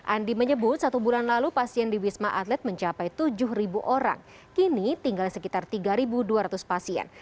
andi menyebut satu bulan lalu pasien di wisma atlet mencapai tujuh orang kini tinggal sekitar tiga dua ratus pasien